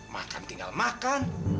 makan tinggal makan